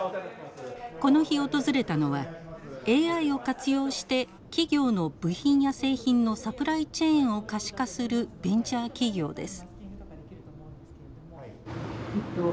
この日訪れたのはＡＩを活用して企業の部品や製品のサプライチェーンを可視化するベンチャー企業です。